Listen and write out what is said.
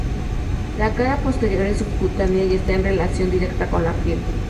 La cara posterior es subcutánea y está en relación directa con la piel.